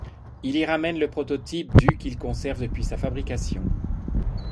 Il y ramène le prototype du qu’il conserve depuis sa fabrication.